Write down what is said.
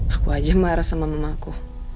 aku aja marah sama mamaku